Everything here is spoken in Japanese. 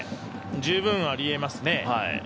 十分ありえますね。